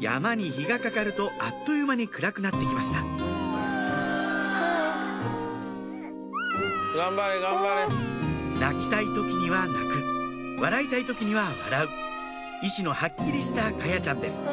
山に日がかかるとあっという間に暗くなって来ました泣きたい時には泣く笑いたい時には笑う意思のはっきりした華彩ちゃんです